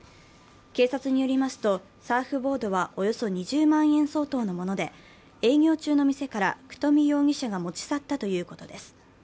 警察によりますと、サーフボードはおよそ２０万円相当のもので営業中の店から九冨容疑者が持ち去ったということです。